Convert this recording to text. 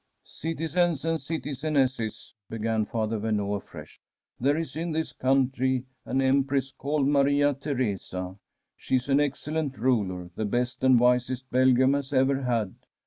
'" Citizens and citizenesses," began Father Ver neau afresh, " there is in this country an Empress called Maria Theresa. She is an excellent ruler, the best and wisest Belgium has ever had.